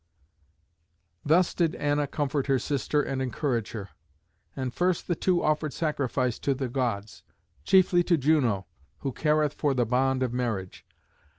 Thus did Anna comfort her sister and encourage her. And first the two offered sacrifice to the Gods, chiefly to Juno, who careth for the bond of marriage.